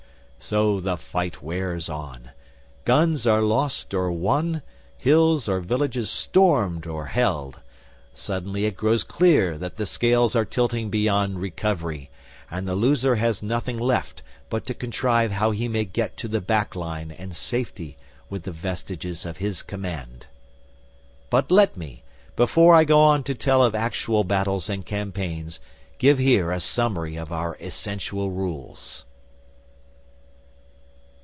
So the fight wears on. Guns are lost or won, hills or villages stormed or held; suddenly it grows clear that the scales are tilting beyond recovery, and the loser has nothing left but to contrive how he may get to the back line and safety with the vestiges of his command.... But let me, before I go on to tell of actual battles and campaigns, give here a summary of our essential rules.